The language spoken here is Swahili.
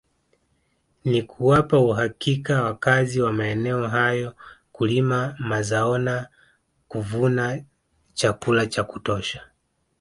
Na kuwapa uhakika wakazi wa maeneo hayo kulima mazaona kuvuna chakula cha kutosha